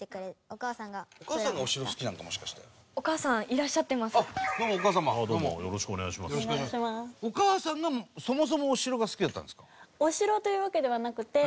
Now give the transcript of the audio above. お母さんがそもそもお城が好きだったんですか？